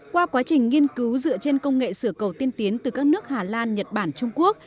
qua quá trình nghiên cứu dựa trên công nghệ sửa cầu tiên tiến từ các nước hà lan nhật bản trung quốc